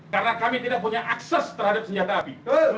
karena kami tidak punya akses terhadap senjata api